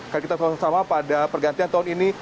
karena kita tahu sama pada pergantian tahun ini